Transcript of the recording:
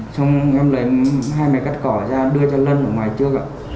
xong em lấy hai mẹ cắt cỏ ra đưa cho lân ở ngoài trước ạ